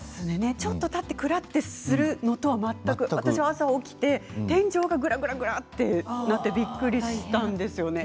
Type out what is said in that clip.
ちょっと立ってクラッとするのとは全く私は朝起きて天井がぐらぐらとなってびっくりしたんですよね。